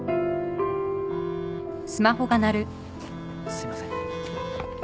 すいません。